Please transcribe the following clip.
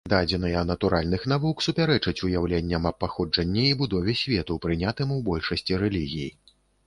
Дадзеныя натуральных навук супярэчаць уяўленням аб паходжанні і будове свету, прынятым у большасці рэлігій.